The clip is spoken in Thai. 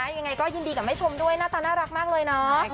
ยังไงก็ยินดีกับแม่ชมด้วยหน้าตาน่ารักมากเลยเนาะ